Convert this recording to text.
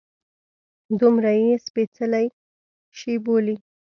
دومره یې سپیڅلی شي بولي.